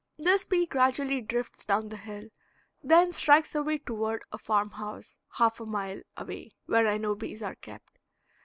This bee gradually drifts down the hill, then strikes away toward a farm house half a mile away, where I know bees are kept.